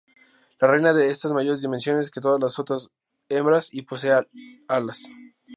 La reina es de mayores dimensiones que todas las otras hembras y posee alas.